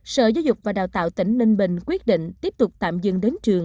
sở giáo dục và đào tạo tỉnh ninh bình quyết định tiếp tục tạm dừng đến trường